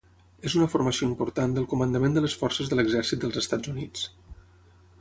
Es una formació important del Comandament de les Forces de l'Exèrcit dels Estats Units.